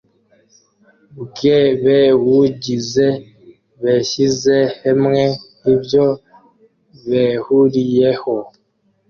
bw’ebewugize beshyize hemwe ibyo behuriyeho